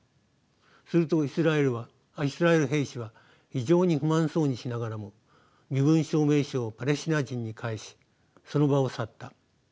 するとイスラエル兵士は非常に不満そうにしながらも身分証明書をパレスチナ人に返しその場を去った」。